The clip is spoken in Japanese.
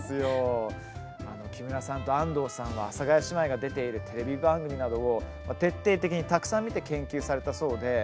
木村さんと安藤さんは阿佐ヶ谷姉妹が出ているテレビ番組などをたくさん見て研究されたそうなんです。